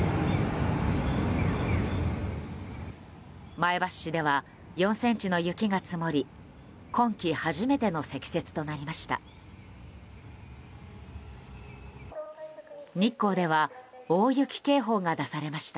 前橋市では４ｃｍの雪が積もり今季初めての積雪となりました。